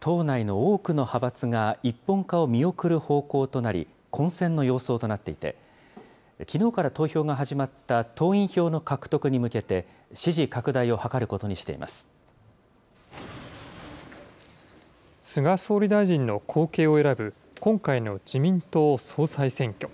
党内の多くの派閥が一本化を見送る方向となり、混戦の様相となっていて、きのうから投票が始まった党員票の獲得に向けて、支持拡大を図る菅総理大臣の後継を選ぶ、今回の自民党総裁選挙。